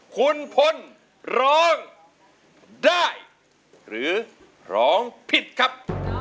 คุณพลร้องได้หรือร้องผิดครับ